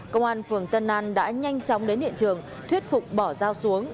công an phường tân an đã nhanh chóng đến hiện trường thuyết phục bỏ dao xuống